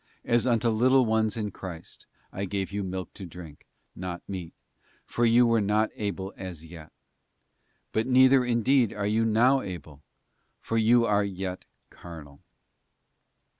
As unto little ones in Christ, I gave you milk to drink, not meat: for you were not able as yet. But neither indeed are you now able, for you are yet carnal.